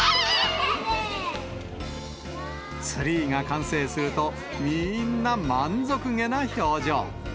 ツリーが完成すると、みんな満足げな表情。